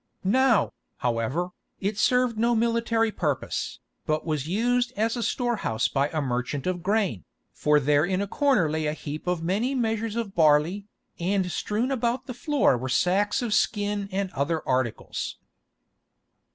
Now, however, it served no military purpose, but was used as a storehouse by a merchant of grain, for there in a corner lay a heap of many measures of barley, and strewn about the floor were sacks of skin and other articles.